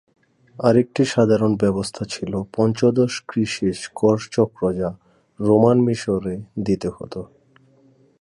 আরেকটি সাধারণ ব্যবস্থা ছিলো পঞ্চদশ কৃষিজ কর চক্র যা রোমান মিশরে দিতে হত।